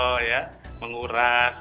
di daerah daerah di perdesaan